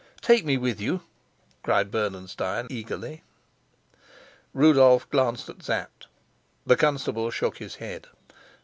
"Take me with you," cried Bernenstein eagerly. Rudolf glanced at Sapt. The constable shook his head.